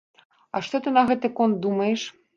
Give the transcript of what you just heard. А што ты на гэты конт думаеш?